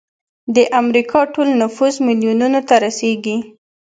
د امریکا ټول نفوس میلیونونو ته رسیږي.